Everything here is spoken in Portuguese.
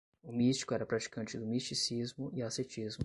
O místico era praticante do misticismo e ascetismo